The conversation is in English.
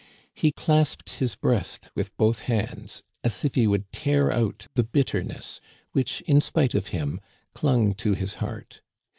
He clasped his breast with both hands, as if he would tear out the bitterness which, in spite of him, clung to his heart.